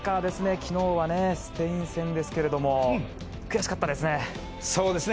昨日はスペイン戦ですが悔しかったですね。